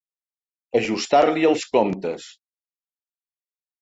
Ajustar-li els comptes.